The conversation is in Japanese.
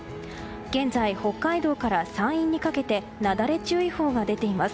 現在、北海道から山陰にかけてなだれ注意報が出ています。